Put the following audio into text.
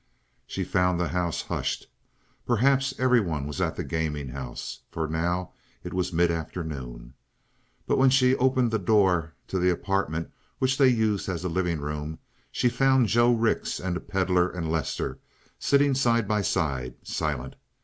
She found the house hushed. Perhaps everyone was at the gaming house; for now it was midafternoon. But when she opened the door to the apartment which they used as a living room she found Joe Rix and the Pedlar and Lester sitting side by side, silent.